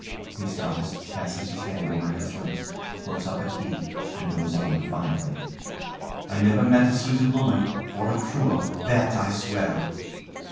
[He stops, passes his hand over his lips, looks up at KEITH, and goes on defiantly] I never met a sweeter woman, or a truer, that I swear.